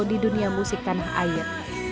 di dunia musik tanah air